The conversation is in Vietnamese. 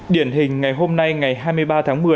điển hình ngày hôm nay ngày hai mươi ba tháng một mươi